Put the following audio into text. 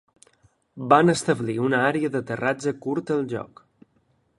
Van establir una àrea d'aterratge curta al lloc.